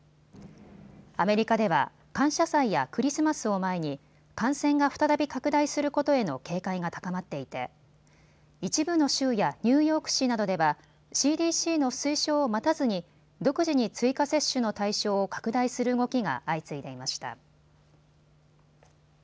アメリカでは感謝祭やクリスマスを前に感染が再び拡大することへの警戒が高まっていて一部の州やニューヨーク市などではＣＤＣの推奨を待たずに独自に追加接種の対象を拡大する動きが相次いでいました。